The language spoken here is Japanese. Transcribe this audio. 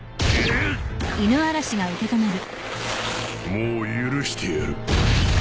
もう許してやる。